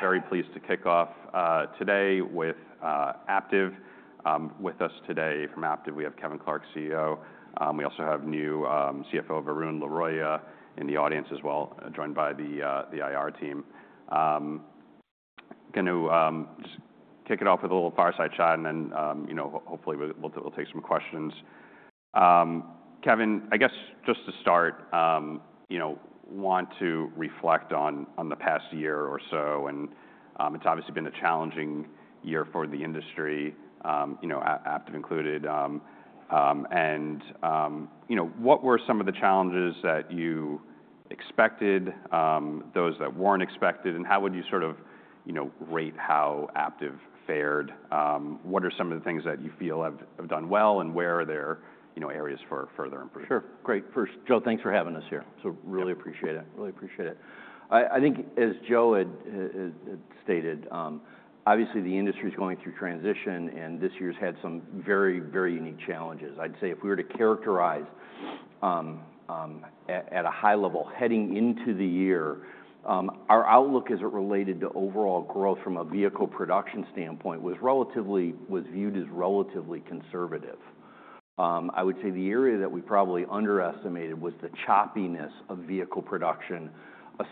Very pleased to kick off today with Aptiv. With us today from Aptiv, we have Kevin Clark, CEO. We also have new CFO Varun Laroyia in the audience as well, joined by the IR team. Can you just kick it off with a little fireside chat and then, you know, hopefully we'll take some questions. Kevin, I guess just to start, you know, want to reflect on the past year or so, and it's obviously been a challenging year for the industry, you know, Aptiv included, and, you know, what were some of the challenges that you expected, those that weren't expected, and how would you sort of, you know, rate how Aptiv fared? What are some of the things that you feel have done well and where are there, you know, areas for further improvement? Sure. Great. First, Joe, thanks for having us here. So really appreciate it. Really appreciate it. I think as Joe had stated, obviously the industry's going through transition and this year's had some very, very unique challenges. I'd say if we were to characterize at a high level heading into the year, our outlook as it related to overall growth from a vehicle production standpoint was relatively, was viewed as relatively conservative. I would say the area that we probably underestimated was the choppiness of vehicle production,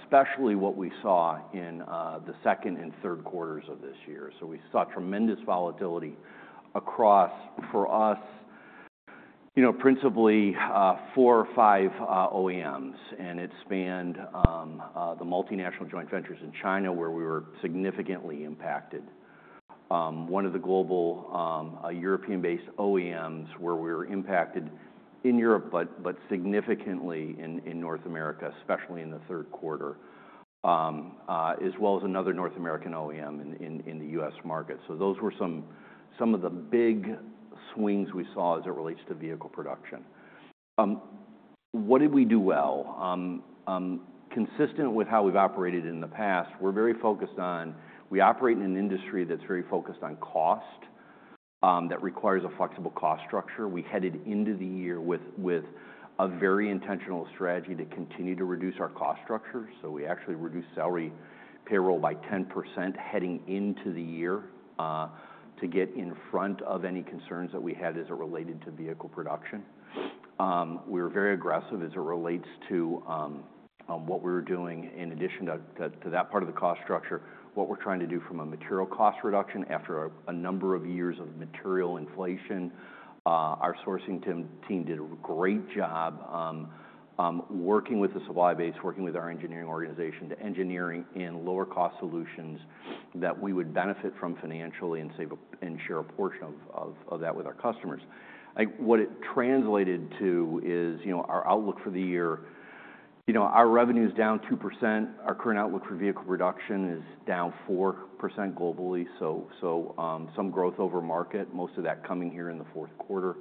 especially what we saw in the second and third quarters of this year. So we saw tremendous volatility across for us, you know, principally four or five OEMs, and it spanned the multinational joint ventures in China where we were significantly impacted. One of the global, European-based OEMs where we were impacted in Europe, but significantly in North America, especially in the third quarter, as well as another North American OEM in the U.S. market. So those were some of the big swings we saw as it relates to vehicle production. What did we do well? Consistent with how we've operated in the past, we're very focused on, we operate in an industry that's very focused on cost, that requires a flexible cost structure. We headed into the year with a very intentional strategy to continue to reduce our cost structure. So we actually reduced salary payroll by 10% heading into the year, to get in front of any concerns that we had as it related to vehicle production. We were very aggressive as it relates to what we were doing in addition to that part of the cost structure, what we're trying to do from a material cost reduction after a number of years of material inflation. Our sourcing team did a great job, working with the supply base, working with our engineering organization to engineer in lower cost solutions that we would benefit from financially and save and share a portion of that with our customers. I think what it translated to is, you know, our outlook for the year, you know, our revenue's down 2%. Our current outlook for vehicle production is down 4% globally. So, some growth over market, most of that coming here in the fourth quarter.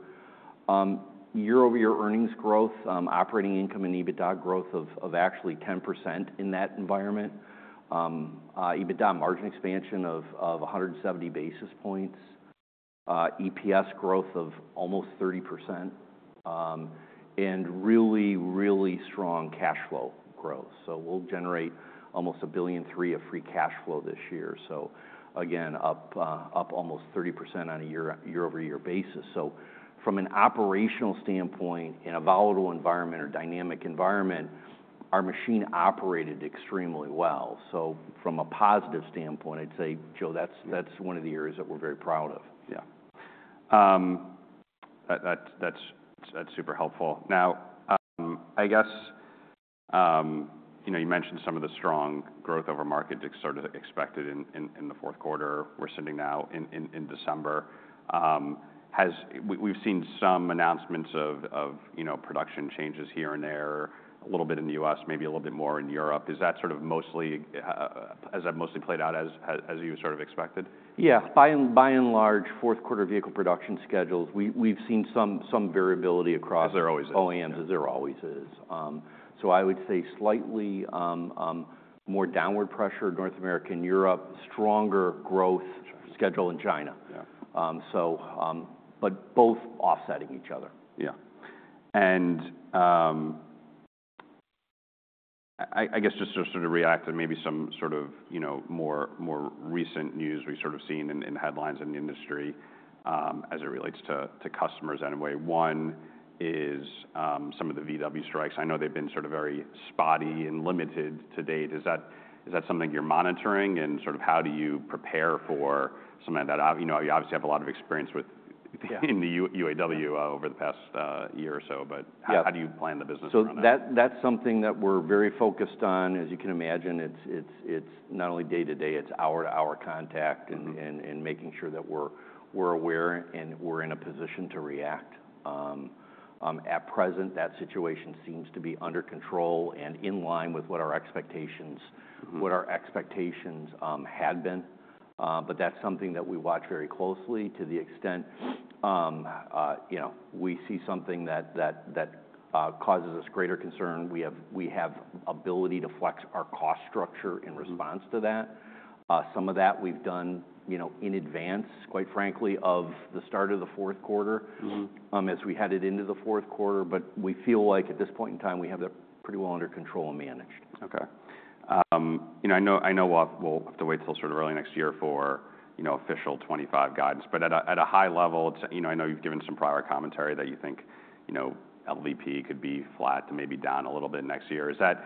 Year-over-year earnings growth, operating income and EBITDA growth of actually 10% in that environment. EBITDA margin expansion of 170 bps. EPS growth of almost 30%. And really, really strong cash flow growth. So we'll generate almost $1.3 billion of free cash flow this year. So again, up almost 30% on a year-over-year basis. So from an operational standpoint, in a volatile environment or dynamic environment, our machine operated extremely well. So from a positive standpoint, I'd say, Joe, that's one of the areas that we're very proud of. Yeah, that's super helpful. Now, I guess, you know, you mentioned some of the strong growth over market sort of expected in the fourth quarter we're seeing now in December. As we've seen some announcements of, you know, production changes here and there, a little bit in the U.S., maybe a little bit more in Europe. Is that sort of mostly as it has mostly played out as you sort of expected? Yeah. By and large, fourth quarter vehicle production schedules, we've seen some variability across. As there always is. OEMs, as there always is. So I would say slightly more downward pressure, North America and Europe, stronger growth schedule in China. Yeah. So, but both offsetting each other. Yeah. And I guess just to sort of react to maybe some sort of, you know, more recent news we've sort of seen in headlines in the industry, as it relates to customers anyway. One is some of the VW strikes. I know they've been sort of very spotty and limited to date. Is that something you're monitoring and sort of how do you prepare for some of that? You know, you obviously have a lot of experience with the UAW over the past year or so, but how do you plan the business? So, that's something that we're very focused on. As you can imagine, it's not only day to day, it's hour to hour contact and making sure that we're aware and we're in a position to react. At present, that situation seems to be under control and in line with what our expectations had been. But that's something that we watch very closely to the extent, you know, we see something that causes us greater concern, we have ability to flex our cost structure in response to that. Some of that we've done, you know, in advance, quite frankly, of the start of the fourth quarter. Mm-hmm. As we headed into the fourth quarter, but we feel like at this point in time we have that pretty well under control and managed. Okay. You know, I know we'll have to wait till sort of early next year for, you know, official 2025 guidance, but at a high level, it's, you know, I know you've given some prior commentary that you think, you know, LVP could be flat to maybe down a little bit next year. Is that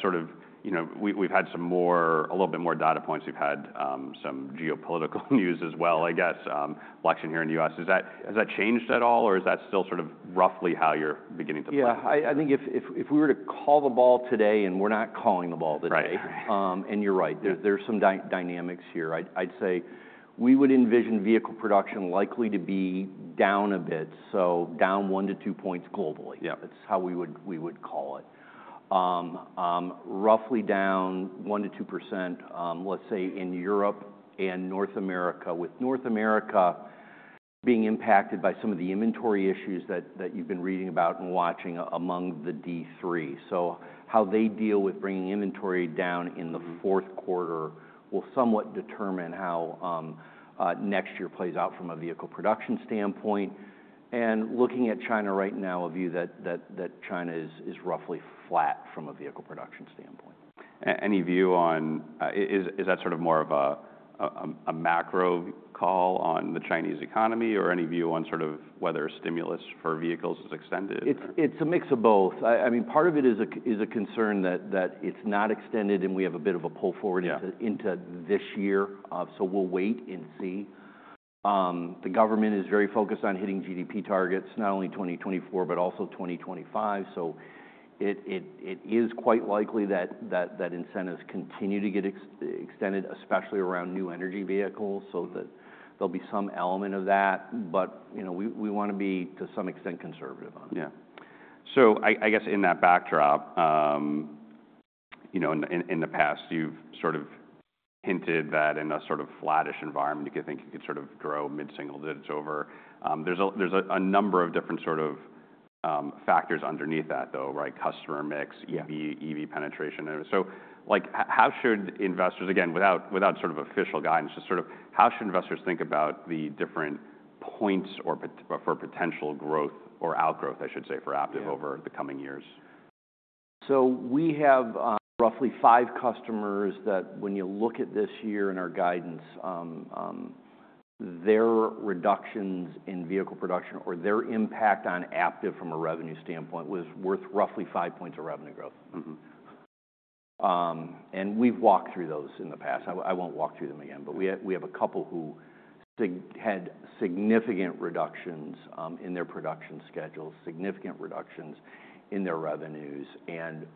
sort of, you know, we've had some more, a little bit more data points. We've had some geopolitical news as well, I guess, election here in the U.S. Is that, has that changed at all or is that still sort of roughly how you're beginning to play? Yeah. I think if we were to call the ball today and we're not calling the ball today. Right. You're right. There's some dynamics here. I'd say we would envision vehicle production likely to be down a bit. Down one to two points globally. Yeah. That's how we would call it. Roughly down 1% to 2%, let's say in Europe and North America, with North America being impacted by some of the inventory issues that you've been reading about and watching among the D3. So how they deal with bringing inventory down in the fourth quarter will somewhat determine how next year plays out from a vehicle production standpoint, and looking at China right now, a view that China is roughly flat from a vehicle production standpoint. Any view on, is that sort of more of a macro call on the Chinese economy or any view on sort of whether stimulus for vehicles is extended? It's a mix of both. I mean, part of it is a concern that it's not extended and we have a bit of a pull forward into. Yeah. Into this year. So we'll wait and see. The government is very focused on hitting GDP targets, not only 2024, but also 2025. So it is quite likely that incentives continue to get extended, especially around new energy vehicles. So that there'll be some element of that, but, you know, we wanna be to some extent conservative on it. Yeah. So I guess in that backdrop, you know, in the past, you've sort of hinted that in a sort of flattish environment, you could think you could sort of grow mid-single digits over. There's a number of different sort of factors underneath that though, right? Customer mix. Yeah. EV penetration. And so, like, how should investors, again, without sort of official guidance, just sort of how should investors think about the different points or pot for potential growth or outgrowth, I should say, for Aptiv over the coming years? We have roughly five customers that when you look at this year in our guidance, their reductions in vehicle production or their impact on Aptiv from a revenue standpoint was worth roughly five points of revenue growth. Mm-hmm. And we've walked through those in the past. I won't walk through them again, but we have a couple who had significant reductions in their production schedules, significant reductions in their revenues, and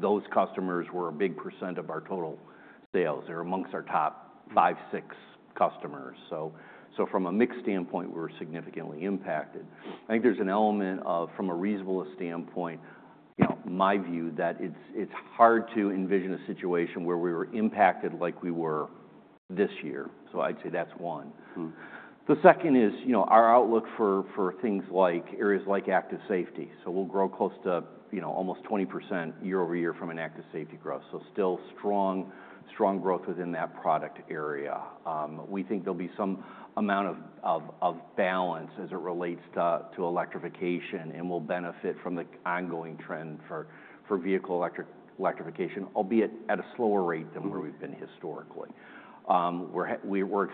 those customers were a big percent of our total sales. They're among our top five, six customers. So from a mix standpoint, we were significantly impacted. I think there's an element of, from a reasonableness standpoint, you know, my view that it's hard to envision a situation where we were impacted like we were this year. So I'd say that's one. Mm-hmm. The second is, you know, our outlook for things like areas like active safety. So we'll grow close to almost 20% year over year from an active safety growth. So still strong growth within that product area. We think there'll be some amount of balance as it relates to electrification and we'll benefit from the ongoing trend for vehicle electrification, albeit at a slower rate than where we've been historically. We're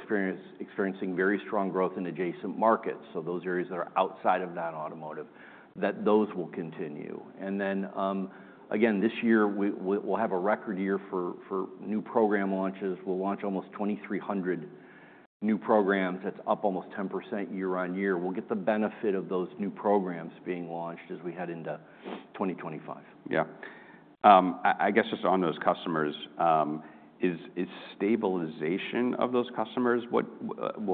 experiencing very strong growth in adjacent markets. So those areas that are outside of non-automotive, those will continue. And then, again, this year we'll have a record year for new program launches. We'll launch almost 2,300 new programs. That's up almost 10% year on year. We'll get the benefit of those new programs being launched as we head into 2025. Yeah. I guess just on those customers, is stabilization of those customers what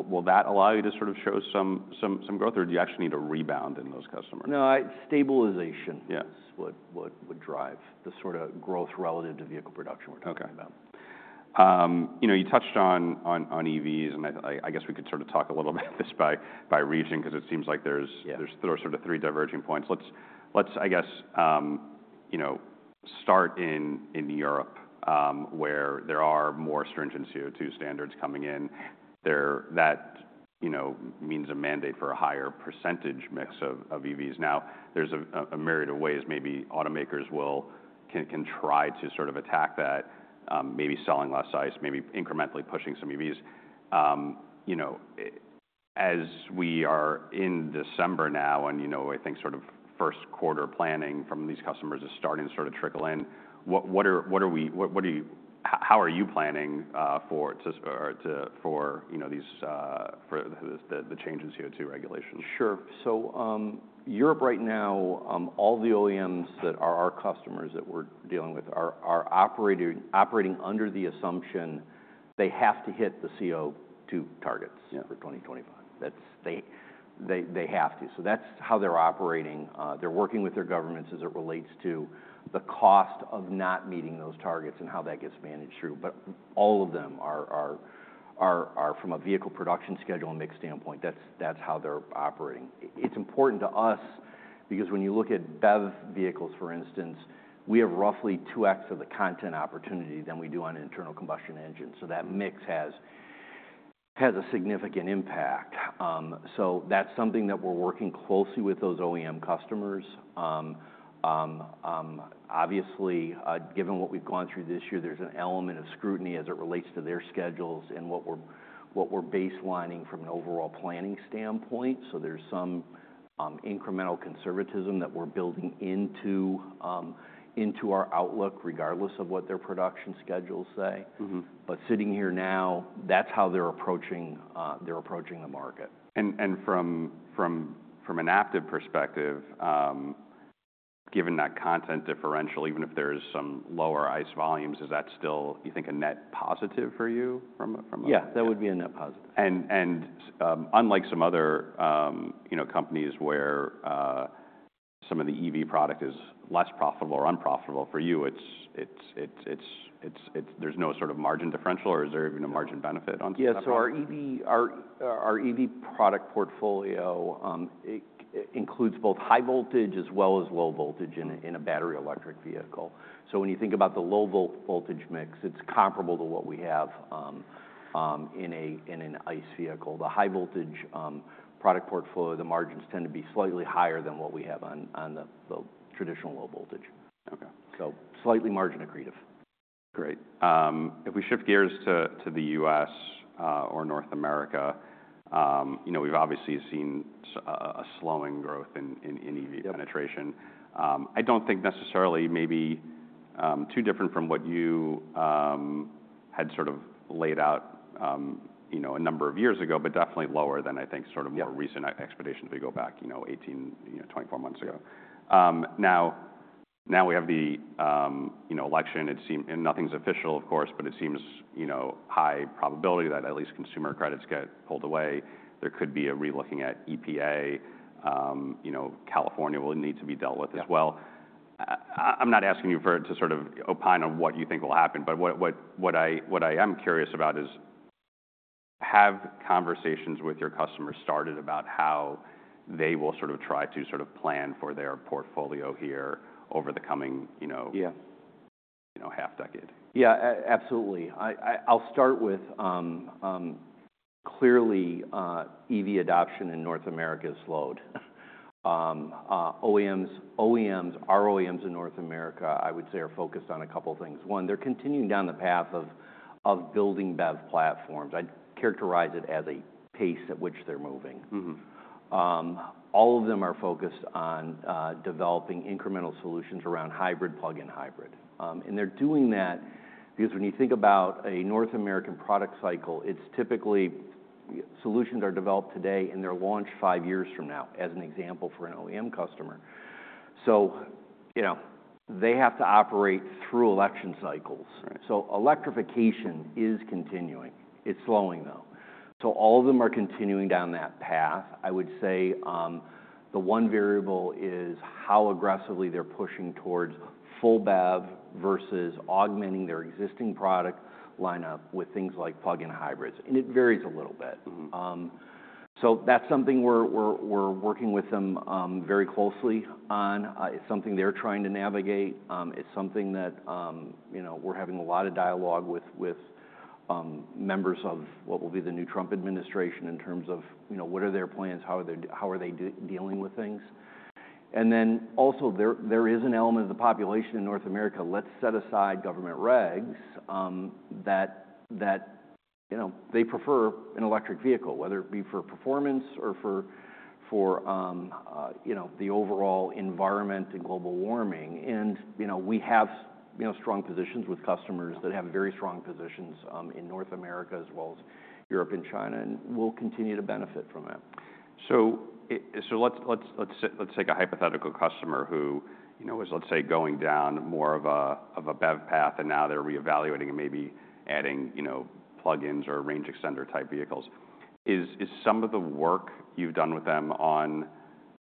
will that allow you to sort of show some growth or do you actually need a rebound in those customers? No, I stabilization. Yeah. What would drive the sort of growth relative to vehicle production we're talking about? Okay. You know, you touched on EVs and I guess we could sort of talk a little bit of this by region 'cause it seems like there's. Yeah. There's sort of three diverging points. Let's, I guess, you know, start in Europe, where there are more stringent CO2 standards coming in. There, that, you know, means a mandate for a higher percentage mix of EVs. Now there's a myriad of ways maybe automakers will can try to sort of attack that, maybe selling less ICE, maybe incrementally pushing some EVs. You know, as we are in December now and, you know, I think sort of first quarter planning from these customers is starting to sort of trickle in. What are you, how are you planning for these changes in CO2 regulation? Sure. So, Europe right now, all the OEMs that are our customers that we're dealing with are operating under the assumption they have to hit the CO2 targets. Yeah. For 2025. That's. They have to. So that's how they're operating. They're working with their governments as it relates to the cost of not meeting those targets and how that gets managed through. But all of them are from a vehicle production schedule and mix standpoint, that's how they're operating. It's important to us because when you look at BEV vehicles, for instance, we have roughly 2x of the content opportunity than we do on internal combustion engines. So that mix has a significant impact. So that's something that we're working closely with those OEM customers. Obviously, given what we've gone through this year, there's an element of scrutiny as it relates to their schedules and what we're baselining from an overall planning standpoint. There's some incremental conservatism that we're building into our outlook regardless of what their production schedules say. Mm-hmm. But sitting here now, that's how they're approaching, they're approaching the market. From an Aptiv perspective, given that content differential, even if there's some lower ICE volumes, is that still, you think, a net positive for you from a, from a? Yeah, that would be a net positive. Unlike some other, you know, companies where some of the EV product is less profitable or unprofitable for you, it's, there's no sort of margin differential or is there even a margin benefit on some of that? Yeah. So our EV product portfolio, it includes both high voltage as well as low voltage in a battery electric vehicle. So when you think about the low voltage mix, it's comparable to what we have in an ICE vehicle. The high voltage product portfolio, the margins tend to be slightly higher than what we have on the traditional low voltage. Okay. So slightly margin accretive. Great. If we shift gears to the U.S., or North America, you know, we've obviously seen a slowing growth in EV penetration. I don't think necessarily, maybe, too different from what you had sort of laid out, you know, a number of years ago, but definitely lower than I think sort of more recent expectations if we go back, you know, 18, 24 months ago. Now we have the, you know, election. It seems, and nothing's official, of course, but it seems, you know, high probability that at least consumer credits get pulled away. There could be a re-looking at EPA. You know, California will need to be dealt with as well. Yeah. I'm not asking you for it to sort of opine on what you think will happen, but what I am curious about is have conversations with your customers started about how they will sort of try to sort of plan for their portfolio here over the coming, you know. Yeah. You know, half decade? Yeah. Absolutely. I'll start with, clearly, EV adoption in North America is slowed. OEMs, our OEMs in North America, I would say are focused on a couple things. One, they're continuing down the path of building BEV platforms. I'd characterize it as a pace at which they're moving. Mm-hmm. All of them are focused on developing incremental solutions around hybrid, plug-in hybrid, and they're doing that because when you think about a North American product cycle, it's typically solutions are developed today and they're launched five years from now as an example for an OEM customer, so you know, they have to operate through election cycles. Right. So electrification is continuing. It's slowing though. So all of them are continuing down that path. I would say, the one variable is how aggressively they're pushing towards full BEV versus augmenting their existing product lineup with things like plug-in hybrids. And it varies a little bit. Mm-hmm. So that's something we're working with them very closely on. It's something they're trying to navigate. It's something that, you know, we're having a lot of dialogue with members of what will be the new Trump administration in terms of, you know, what are their plans, how are they dealing with things. And then also there is an element of the population in North America, let's set aside government regs, that, you know, they prefer an electric vehicle, whether it be for performance or for, you know, the overall environment and global warming. And, you know, we have, you know, strong positions with customers that have very strong positions in North America as well as Europe and China and will continue to benefit from that. So let's take a hypothetical customer who, you know, is, let's say, going down more of a BEV path and now they're reevaluating and maybe adding, you know, plug-ins or range extender type vehicles. Is some of the work you've done with them on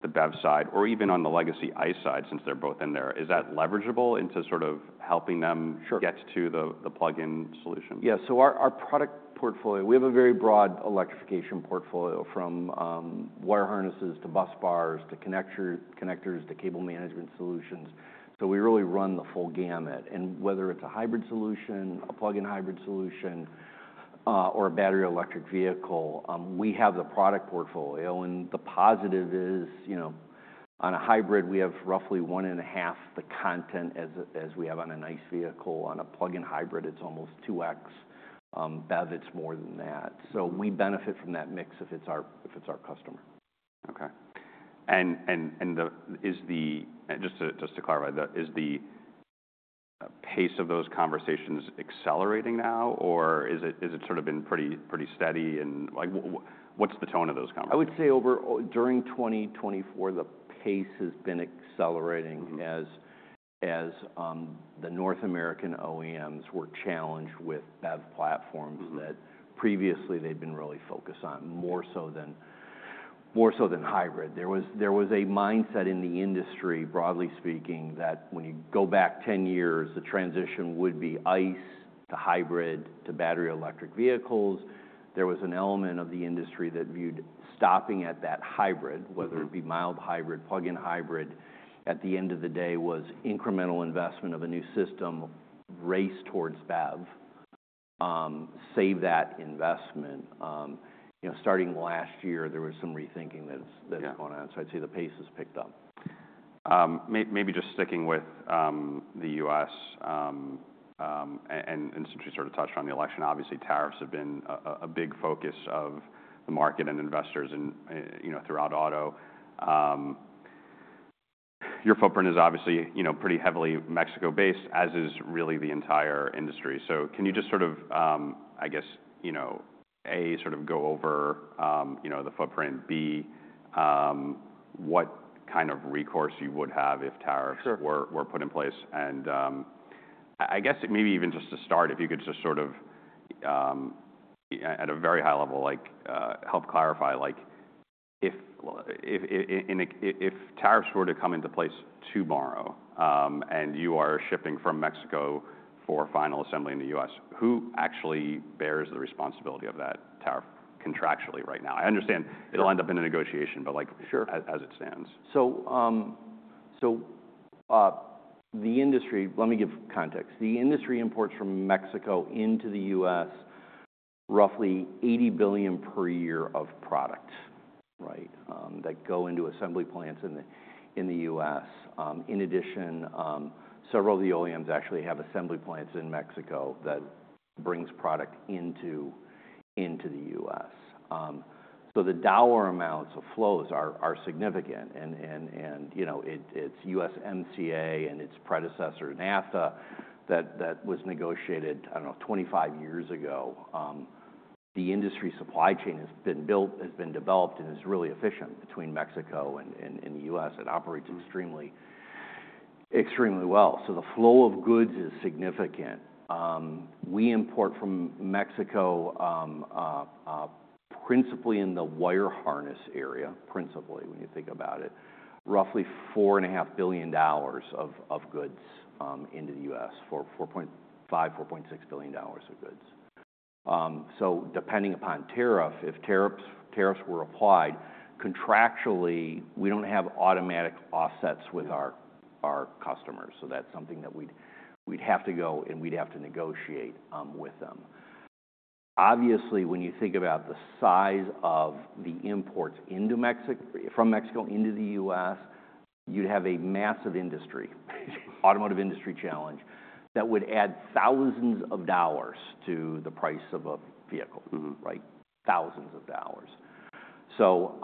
the BEV side or even on the legacy ICE side, since they're both in there, is that leverageable into sort of helping them. Sure. Get to the plug-in solution? Yeah. So our product portfolio, we have a very broad electrification portfolio from wire harnesses to bus bars to connectors to cable management solutions. So we really run the full gamut. And whether it's a hybrid solution, a plug-in hybrid solution, or a battery electric vehicle, we have the product portfolio. And the positive is, you know, on a hybrid, we have roughly one and a half the content as we have on an ICE vehicle. On a plug-in hybrid, it's almost 2x. BEV, it's more than that. So we benefit from that mix if it's our customer. Okay. And is the pace of those conversations accelerating now or is it sort of been pretty steady and like, what's the tone of those conversations? I would say over during 2024, the pace has been accelerating as the North American OEMs were challenged with BEV platforms that previously they'd been really focused on more so than hybrid. There was a mindset in the industry, broadly speaking, that when you go back 10 years, the transition would be ICE to hybrid to battery electric vehicles. There was an element of the industry that viewed stopping at that hybrid, whether it be mild hybrid, plug-in hybrid, at the end of the day was incremental investment of a new system race towards BEV, save that investment. You know, starting last year, there was some rethinking that's going on. So I'd say the pace has picked up. Maybe just sticking with the U.S., and since you sort of touched on the election, obviously tariffs have been a big focus of the market and investors and, you know, throughout auto. Your footprint is obviously, you know, pretty heavily Mexico-based as is really the entire industry. So can you just sort of, I guess, you know, A, sort of go over, you know, the footprint, B, what kind of recourse you would have if tariffs were put in place? And, I guess maybe even just to start, if you could just sort of, at a very high level, like, help clarify, like, if tariffs were to come into place tomorrow, and you are shipping from Mexico for final assembly in the U.S., who actually bears the responsibility of that tariff contractually right now? I understand it'll end up in a negotiation, but like. Sure. As it stands. The industry, let me give context. The industry imports from Mexico into the U.S. roughly $80 billion per year of product, right, that go into assembly plants in the U.S. In addition, several of the OEMs actually have assembly plants in Mexico that brings product into the U.S. The dollar amounts of flows are significant. You know, it's USMCA and its predecessor NAFTA that was negotiated, I don't know, 25 years ago. The industry supply chain has been built, has been developed and is really efficient between Mexico and the U.S. It operates extremely well. The flow of goods is significant. We import from Mexico, principally in the wire harness area, principally, when you think about it, roughly $4.5 billion of goods into the U.S. for $4.5, $4.6 billion of goods. So depending upon tariff, if tariffs were applied contractually, we don't have automatic offsets with our customers. That's something that we'd have to go and we'd have to negotiate with them. Obviously, when you think about the size of the imports from Mexico into the U.S., you'd have a massive automotive industry challenge that would add thousands of dollars to the price of a vehicle. Mm-hmm. Right? Thousands of dollars. So,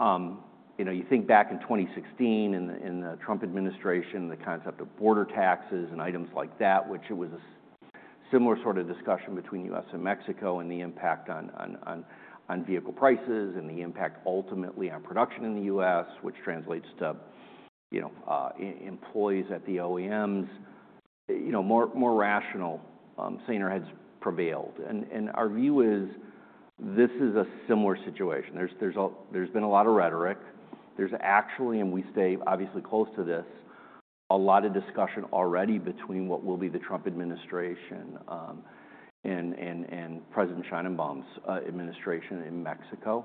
you know, you think back in 2016 in the Trump administration, the concept of border taxes and items like that, which it was a similar sort of discussion between U.S. and Mexico and the impact on vehicle prices and the impact ultimately on production in the U.S., which translates to, you know, employees at the OEMs, you know, more rational, saying our heads prevailed. Our view is this is a similar situation. There's been a lot of rhetoric. There's actually, and we stay obviously close to this, a lot of discussion already between what will be the Trump administration, and President Sheinbaum's administration in Mexico.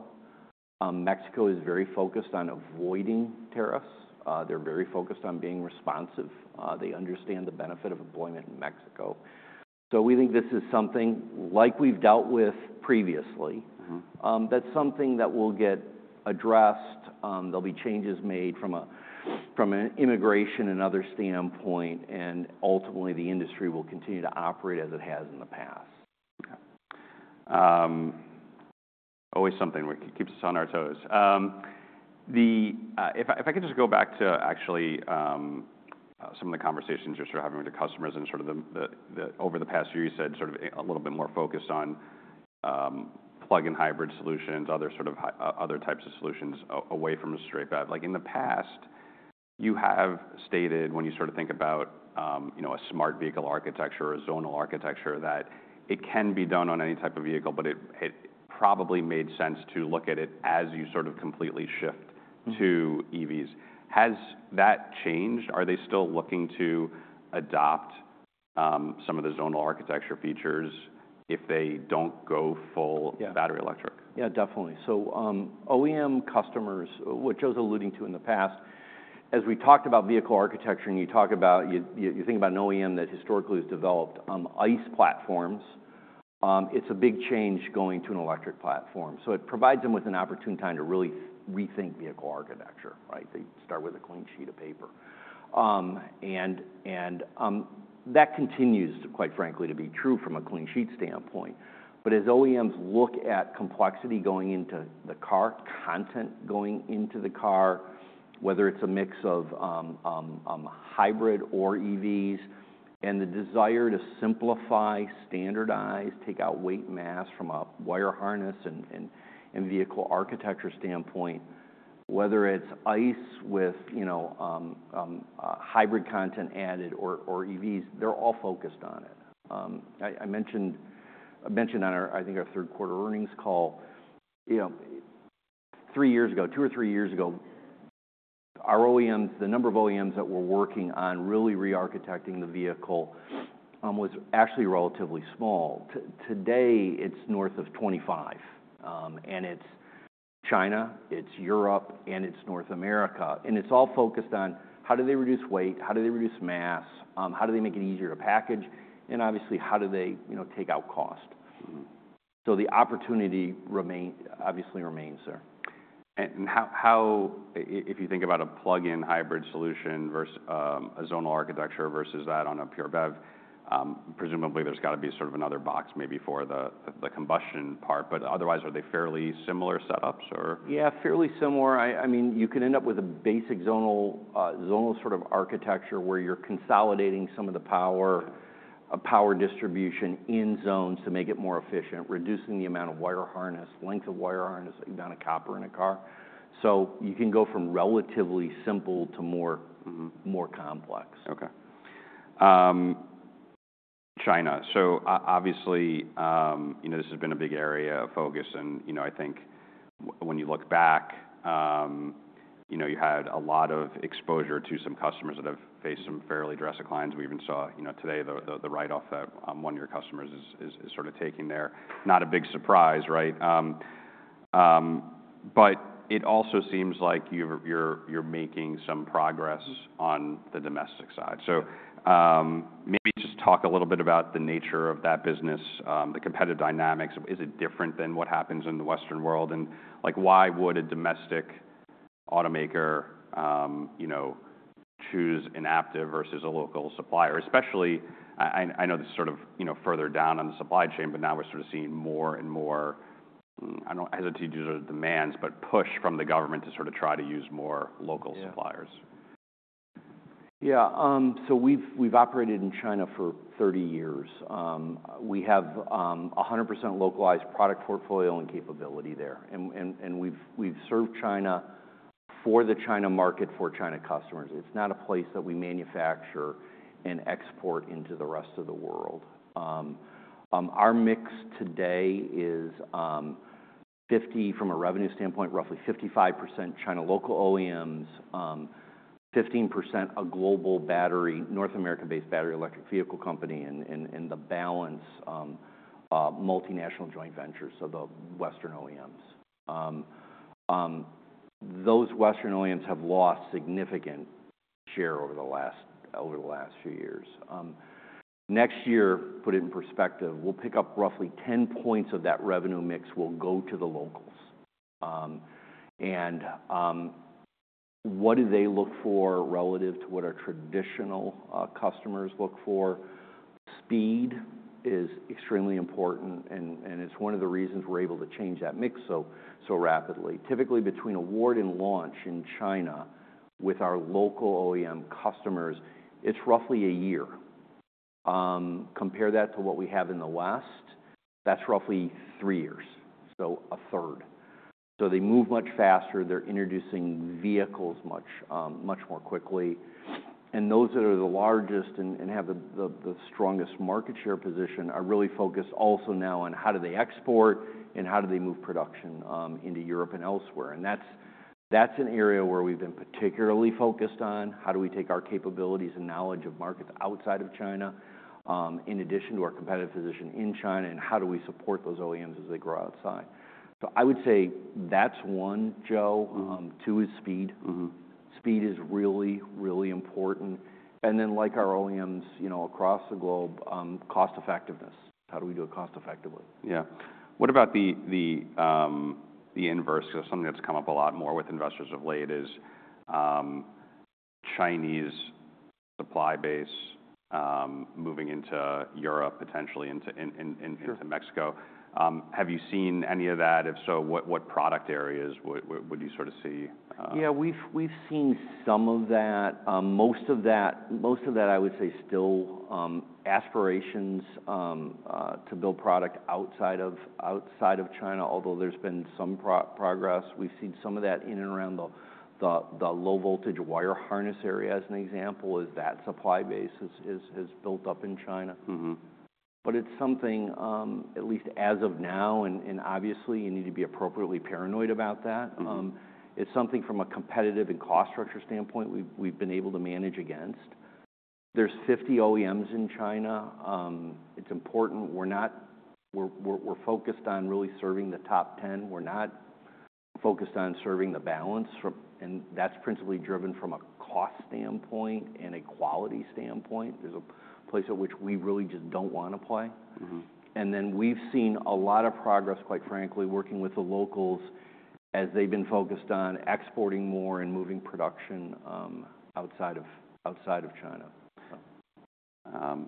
Mexico is very focused on avoiding tariffs. They're very focused on being responsive. They understand the benefit of employment in Mexico. So we think this is something like we've dealt with previously. Mm-hmm. That's something that will get addressed. There'll be changes made from an immigration and other standpoint, and ultimately, the industry will continue to operate as it has in the past. Okay. Always something we keeps us on our toes. If I could just go back to actually some of the conversations you're sort of having with your customers and sort of the over the past year, you said sort of a little bit more focused on plug-in hybrid solutions, other sort of other types of solutions away from a straight BEV. Like in the past, you have stated when you sort of think about you know a Smart Vehicle Architecture or zonal architecture that it can be done on any type of vehicle, but it probably made sense to look at it as you sort of completely shift to EVs. Has that changed? Are they still looking to adopt some of the zonal architecture features if they don't go full battery electric? Yeah. Yeah, definitely. So, OEM customers, what Joe's alluding to in the past, as we talked about vehicle architecture and you talk about, you think about an OEM that historically has developed ICE platforms, it's a big change going to an electric platform. So it provides them with an opportune time to really rethink vehicle architecture, right? They start with a clean sheet of paper, and that continues, quite frankly, to be true from a clean sheet standpoint. But as OEMs look at complexity going into the car, content going into the car, whether it's a mix of hybrid or EVs and the desire to simplify, standardize, take out weight, mass from a wire harness and vehicle architecture standpoint, whether it's ICE with, you know, hybrid content added or EVs, they're all focused on it. I mentioned on our, I think, our third quarter earnings call, you know, three years ago, two or three years ago, our OEMs, the number of OEMs that were working on really re-architecting the vehicle, was actually relatively small. Today, it's North of 25, and it's China, it's Europe, and it's North America, and it's all focused on how do they reduce weight, how do they reduce mass, how do they make it easier to package, and obviously how do they, you know, take out cost. Mm-hmm. So the opportunity remains, obviously remains there. How if you think about a plug-in hybrid solution versus a zonal architecture versus that on a pure BEV, presumably there's got to be sort of another box maybe for the combustion part, but otherwise are they fairly similar setups or? Yeah, fairly similar. I mean, you can end up with a basic zonal sort of architecture where you're consolidating some of the power distribution in zones to make it more efficient, reducing the amount of wire harness, length of wire harness, amount of copper in a car. So you can go from relatively simple to more complex. Okay. China. So obviously, you know, this has been a big area of focus. And, you know, I think when you look back, you know, you had a lot of exposure to some customers that have faced some fairly drastic declines. We even saw, you know, today the write-off that one of your customers is sort of taking there. Not a big surprise, right? But it also seems like you're making some progress on the domestic side. So, maybe just talk a little bit about the nature of that business, the competitive dynamics. Is it different than what happens in the Western world? And like, why would a domestic automaker, you know, choose an Aptiv versus a local supplier? Especially, I know this sort of, you know, further down on the supply chain, but now we're sort of seeing more and more, I don't hesitate to use the demands, but push from the government to sort of try to use more local suppliers. Yeah. We've operated in China for 30 years. We have 100% localized product portfolio and capability there. And we've served China for the China market, for China customers. It's not a place that we manufacture and export into the rest of the world. Our mix today is 50 from a revenue standpoint, roughly 55% China local OEMs, 15% a global battery, North America-based battery electric vehicle company and the balance, multinational joint ventures. The Western OEMs. Those Western OEMs have lost significant share over the last few years. Next year, put it in perspective, we'll pick up roughly 10 points of that revenue mix will go to the locals. What do they look for relative to what our traditional customers look for? Speed is extremely important, and it's one of the reasons we're able to change that mix so rapidly. Typically, between award and launch in China with our local OEM customers, it's roughly a year. Compare that to what we have in the West, that's roughly three years, so a third. So they move much faster. They're introducing vehicles much more quickly. And those that are the largest and have the strongest market share position are really focused also now on how do they export and how do they move production into Europe and elsewhere. And that's an area where we've been particularly focused on how do we take our capabilities and knowledge of markets outside of China, in addition to our competitive position in China and how do we support those OEMs as they grow outside. So I would say that's one, Joe. Two is speed. Mm-hmm. Speed is really, really important. And then, like our OEMs, you know, across the globe, cost effectiveness. How do we do it cost effectively? Yeah. What about the inverse? Because that's something that's come up a lot more with investors of late is, Chinese supply base, moving into Europe, potentially into Mexico. Have you seen any of that? If so, what product areas would you sort of see? Yeah, we've seen some of that. Most of that, most of that I would say still aspirations to build product outside of China, although there's been some progress. We've seen some of that in and around the low voltage wire harness area as an example as that supply base has built up in China. Mm-hmm. But it's something, at least as of now, and obviously you need to be appropriately paranoid about that. It's something from a competitive and cost structure standpoint we've been able to manage against. There's 50 OEMs in China. It's important. We're not. We're focused on really serving the top 10. We're not focused on serving the balance, and that's principally driven from a cost standpoint and a quality standpoint. There's a place at which we really just don't want to play. Mm-hmm. And then we've seen a lot of progress, quite frankly, working with the locals as they've been focused on exporting more and moving production outside of China.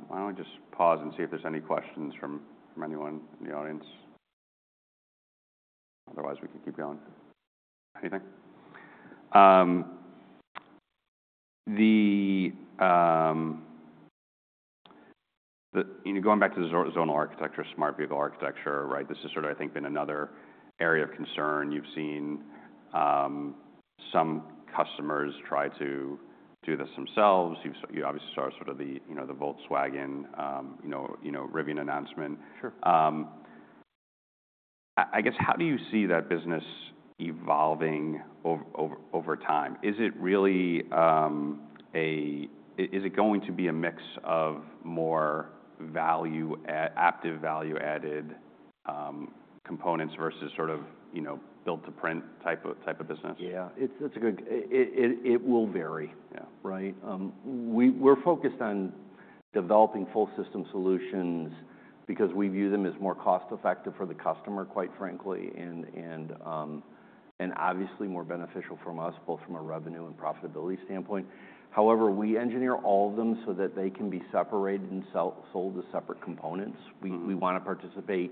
Why don't we just pause and see if there's any questions from anyone in the audience? Otherwise, we can keep going. Anything? The, you know, going back to the zonal architecture, smart vehicle architecture, right? This has sort of, I think, been another area of concern. You've seen some customers try to do this themselves. You obviously saw sort of the, you know, the Volkswagen, you know, Rivian announcement. Sure. I guess how do you see that business evolving over time? Is it really going to be a mix of more value, Aptiv value added, components versus sort of, you know, build to print type of business? Yeah. It's a good, it will vary. Yeah. Right? We're focused on developing full system solutions because we view them as more cost effective for the customer, quite frankly, and obviously more beneficial for us, both from a revenue and profitability standpoint. However, we engineer all of them so that they can be separated and sold as separate components. We want to participate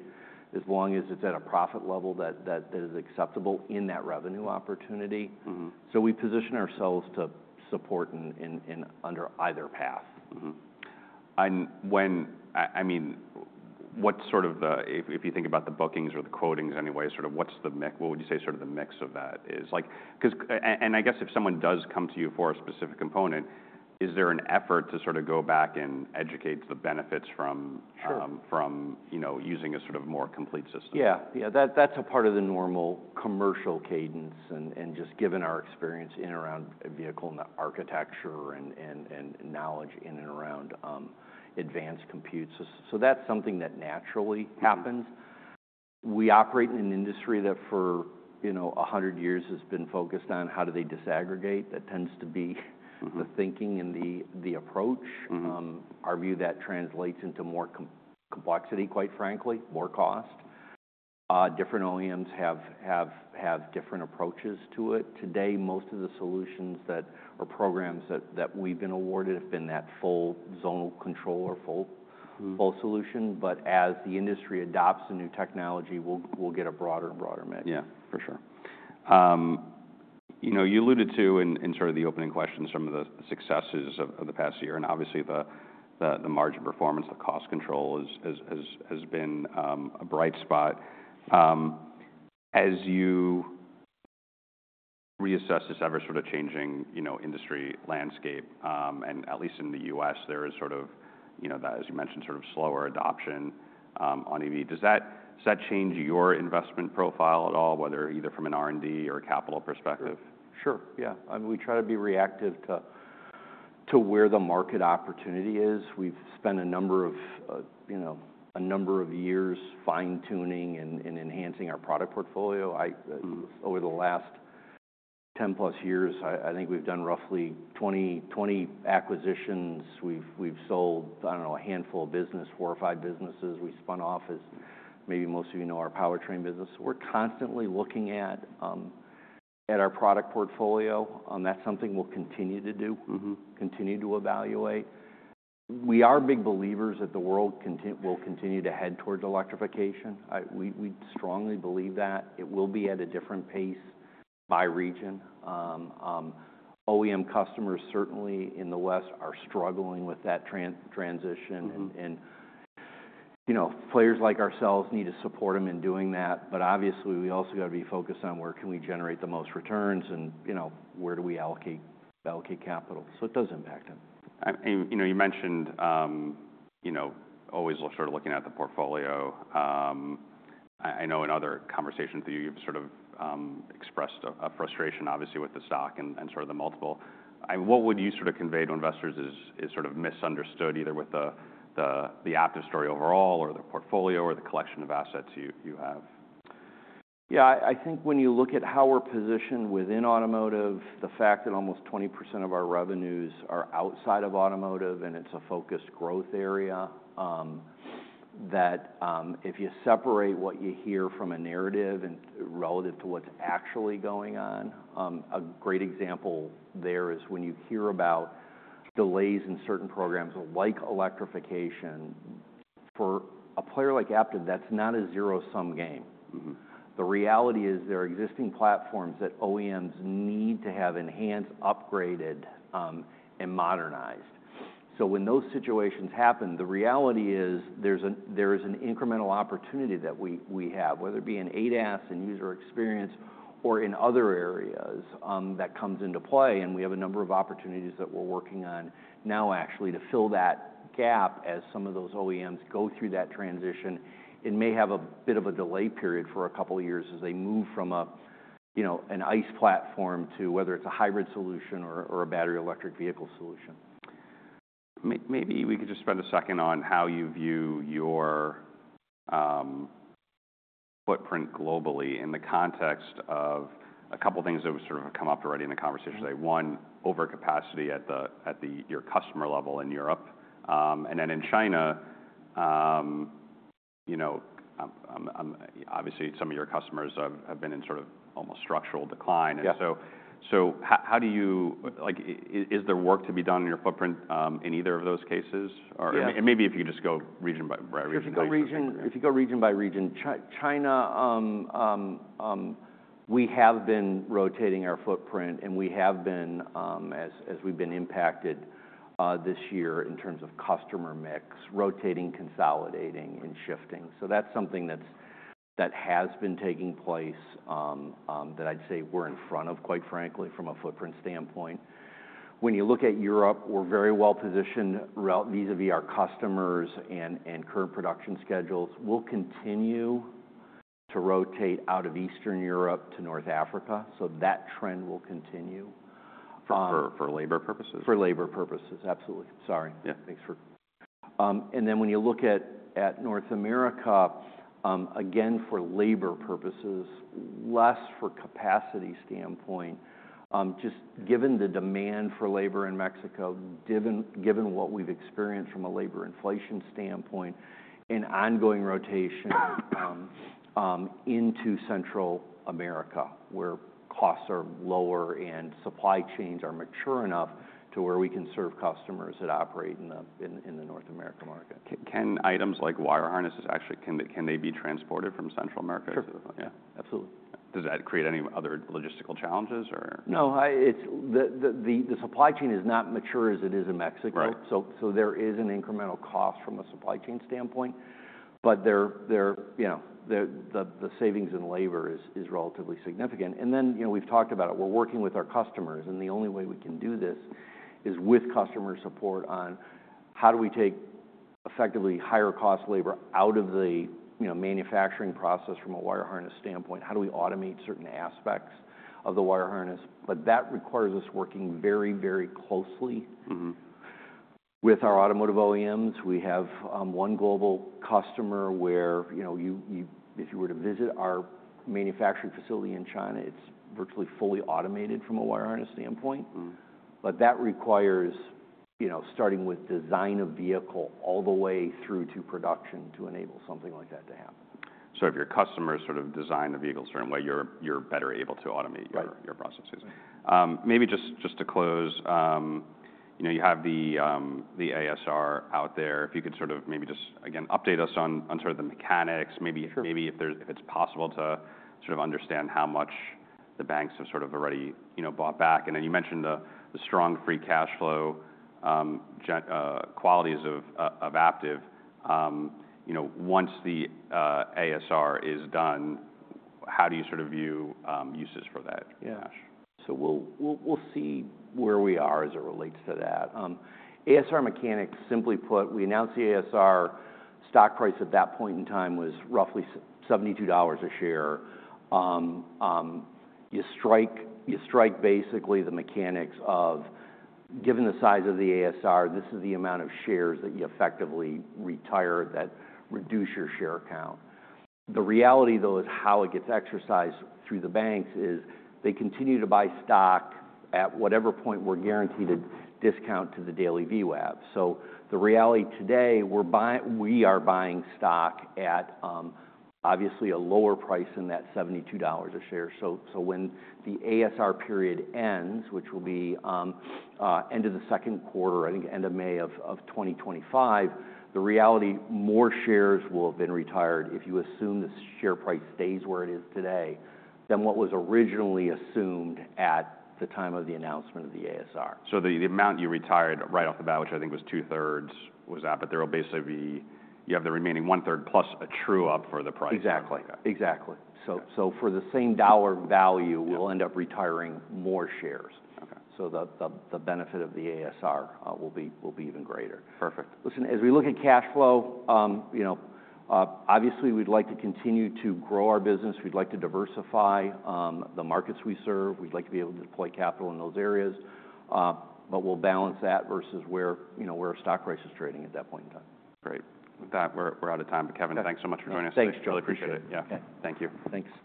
as long as it's at a profit level that is acceptable in that revenue opportunity. Mm-hmm. We position ourselves to support and under either path. Mm-hmm. And when, I mean, what's sort of the, if you think about the bookings or the quotings anyway, sort of what's the mix, what would you say sort of the mix of that is like? Because, and I guess if someone does come to you for a specific component, is there an effort to sort of go back and educate the benefits from, you know, using a sort of more complete system? Yeah. Yeah. That's a part of the normal commercial cadence and just given our experience in and around vehicle and the architecture and knowledge in and around advanced compute. So that's something that naturally happens. We operate in an industry that for, you know, a hundred years has been focused on how do they disaggregate. That tends to be the thinking and the approach. Our view that translates into more complexity, quite frankly, more cost. Different OEMs have different approaches to it. Today, most of the solutions that or programs that we've been awarded have been that full zonal control or full solution. But as the industry adopts a new technology, we'll get a broader and broader mix. Yeah, for sure. You know, you alluded to in sort of the opening questions, some of the successes of the past year and obviously the margin performance, the cost control has been a bright spot. As you reassess this ever sort of changing, you know, industry landscape, and at least in the U.S., there is sort of, you know, that, as you mentioned, sort of slower adoption on EV. Does that change your investment profile at all, whether either from an R&D or a capital perspective? Sure. Yeah. I mean, we try to be reactive to where the market opportunity is. We've spent a number of, you know, years fine-tuning and enhancing our product portfolio. Over the last 10-plus years, I think we've done roughly 20 acquisitions. We've sold, I don't know, a handful of business, four or five businesses. We spun off, as maybe most of you know, our powertrain business. We're constantly looking at our product portfolio. That's something we'll continue to do, continue to evaluate. We are big believers that the world will continue to head towards electrification. We strongly believe that it will be at a different pace by region. OEM customers certainly in the West are struggling with that transition. You know, players like ourselves need to support them in doing that. But obviously, we also got to be focused on where can we generate the most returns and, you know, where do we allocate capital. So it does impact them. You know, you mentioned, you know, always sort of looking at the portfolio. I know in other conversations that you've sort of expressed a frustration obviously with the stock and sort of the multiple. I mean, what would you sort of convey to investors is sort of misunderstood either with the Aptiv story overall or the portfolio or the collection of assets you have? Yeah. I think when you look at how we're positioned within automotive, the fact that almost 20% of our revenues are outside of automotive and it's a focused growth area, that if you separate what you hear from a narrative and relative to what's actually going on, a great example there is when you hear about delays in certain programs like electrification for a player like Aptiv, that's not a zero-sum game. The reality is there are existing platforms that OEMs need to have enhanced, upgraded, and modernized. So when those situations happen, the reality is there's an incremental opportunity that we have, whether it be in ADAS and user experience or in other areas, that comes into play, and we have a number of opportunities that we're working on now actually to fill that gap as some of those OEMs go through that transition. It may have a bit of a delay period for a couple of years as they move from a, you know, an ICE platform to whether it's a hybrid solution or a battery electric vehicle solution. Maybe, maybe we could just spend a second on how you view your footprint globally in the context of a couple of things that have sort of come up already in the conversation today. One, overcapacity at the your customer level in Europe. And then in China, you know, I'm obviously some of your customers have been in sort of almost structural decline. And so how do you like, is there work to be done in your footprint, in either of those cases or maybe if you could just go region by region? If you go region by region, China, we have been rotating our footprint and we have been, as we've been impacted this year in terms of customer mix, rotating, consolidating and shifting. So that's something that has been taking place, that I'd say we're in front of, quite frankly, from a footprint standpoint. When you look at Europe, we're very well positioned vis-à-vis our customers and current production schedules. We'll continue to rotate out of Eastern Europe to North Africa. So that trend will continue. For labor purposes? For labor purposes. Absolutely. Sorry. Yeah. Thanks for, and then when you look at North America, again, for labor purposes, less for capacity standpoint, just given the demand for labor in Mexico, given what we've experienced from a labor inflation standpoint and ongoing rotation into Central America where costs are lower and supply chains are mature enough to where we can serve customers that operate in the North America market. Can items like wire harnesses actually be transported from Central America to? Sure. Absolutely. Does that create any other logistical challenges or? No, it's the supply chain is not mature as it is in Mexico. So, there is an incremental cost from a supply chain standpoint, but they're, you know, the savings in labor is relatively significant. And then, you know, we've talked about it. We're working with our customers and the only way we can do this is with customer support on how do we take effectively higher cost labor out of the, you know, manufacturing process from a wire harness standpoint? How do we automate certain aspects of the wire harness? But that requires us working very, very closely with our automotive OEMs. We have one global customer where, you know, if you were to visit our manufacturing facility in China, it's virtually fully automated from a wire harness standpoint. But that requires, you know, starting with design of vehicle all the way through to production to enable something like that to happen. So if your customers sort of design the vehicles certain way, you're better able to automate your processes. Maybe just to close, you know, you have the ASR out there. If you could sort of maybe just again update us on sort of the mechanics, maybe if there's if it's possible to sort of understand how much the banks have sort of already, you know, bought back. And then you mentioned the strong free cash flow and quality of Aptiv. You know, once the ASR is done, how do you sort of view uses for that cash? Yeah. So we'll see where we are as it relates to that. ASR mechanics, simply put, we announced the ASR stock price at that point in time was roughly $72 a share. You strike basically the mechanics of given the size of the ASR, this is the amount of shares that you effectively retire that reduce your share account. The reality though is how it gets exercised through the banks is they continue to buy stock at whatever point we're guaranteed a discount to the daily VWAP. So the reality today, we're buying stock at, obviously a lower price than that $72 a share. When the ASR period ends, which will be end of the second quarter, I think end of May of 2025, the reality more shares will have been retired if you assume the share price stays where it is today than what was originally assumed at the time of the announcement of the ASR. The amount you retired right off the bat, which I think was 2/3, was that. But there will basically be. You have the remaining 1/3+ true-up for the price. Exactly. So for the same dollar value, we'll end up retiring more shares, so the benefit of the ASR will be even greater. Perfect. Listen, as we look at cash flow, you know, obviously we'd like to continue to grow our business. We'd like to diversify the markets we serve. We'd like to be able to deploy capital in those areas, but we'll balance that versus where, you know, where a stock price is trading at that point in time. Great. With that, we're out of time, but Kevin, thanks so much for joining us. Thanks, Joey. Really appreciate it. Yeah. Thank you. Thanks.